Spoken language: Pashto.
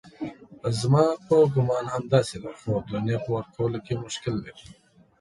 زما په ګومان همداسې ده خو دنیا په ورکولو کې مشکل لري.